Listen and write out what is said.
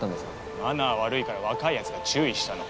マナー悪いから若いやつが注意したの。